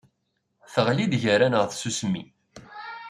Teɣli-d gar-aneɣ tsusmi.